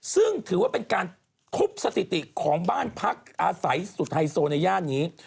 ซึ่งถือว่าเป็นการทุบสถิติของบ้านพักอาศัยสุดไฮโซในย่านนี้